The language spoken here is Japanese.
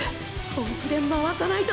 本気で回さないと。